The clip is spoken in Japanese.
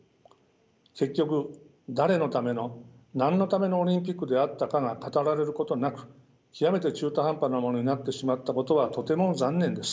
結局誰のための何のためのオリンピックであったかが語られることなく極めて中途半端なものになってしまったことはとても残念です。